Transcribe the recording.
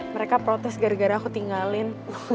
mereka protes gara gara aku tinggalin